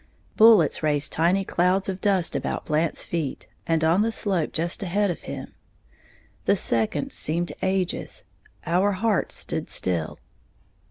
Bullets raised tiny clouds of dust about Blant's feet, and on the slope just ahead of him; the seconds seemed ages; our hearts stood still.